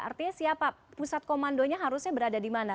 artinya siapa pusat komandonya harusnya berada di mana